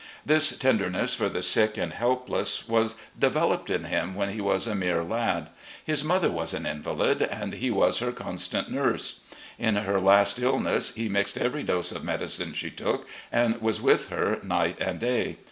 This tenderness for the sick and helpless was developed in him when he was a mere lad. His mother was an invalid, and he was her constant nurse. In her last illness he mixed every dose of medicine she took, and was with her night and day.